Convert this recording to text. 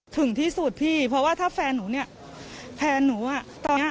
ถึงที่สุดพี่เพราะว่าถ้าแฟนหนูเนี่ยแฟนหนูอ่ะตอนเนี้ย